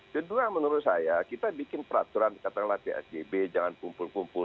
kedua menurut saya kita bikin peraturan katakanlah psbb jangan kumpul kumpul